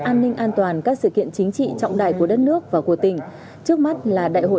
an ninh an toàn các sự kiện chính trị trọng đại của đất nước và của tỉnh trước mắt là đại hội